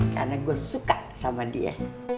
karena gue suka sama dia